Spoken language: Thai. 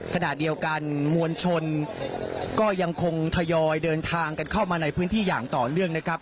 ขณะเดียวกันมวลชนก็ยังคงทยอยเดินทางกันเข้ามาในพื้นที่อย่างต่อเนื่องนะครับ